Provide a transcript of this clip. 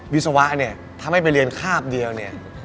วิศวะเนี่ยถ้าไม่ไปเรียนคาบเดียวเนี่ย